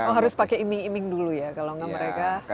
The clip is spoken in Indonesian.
oh harus pakai iming iming dulu ya kalau nggak mereka